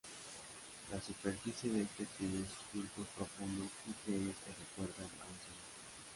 La superficie de este tiene surcos profundos y pliegues que recuerdan a un cerebro.